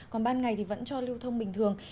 còn ban ngày thì vẫn cho lưu thông bình thường